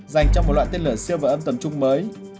dành cho một loại tên lửa siêu vật âm tầm trung mới